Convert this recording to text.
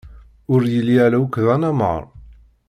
Ur yelli ara akk d anamar.